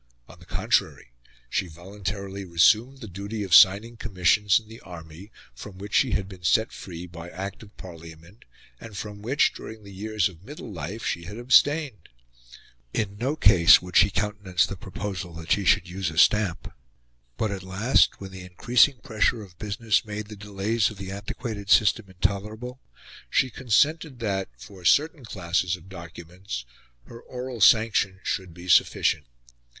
On the contrary, she voluntarily resumed the duty of signing commissions in the army, from which she had been set free by Act of Parliament, and from which, during the years of middle life, she had abstained. In no case would she countenance the proposal that she should use a stamp. But, at last, when the increasing pressure of business made the delays of the antiquated system intolerable, she consented that, for certain classes of documents, her oral sanction should be sufficient.